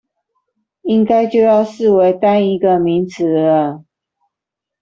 應該就要視為單一個名詞了